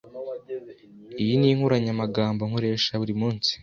Iyi ni inkoranyamagambo nkoresha buri munsi.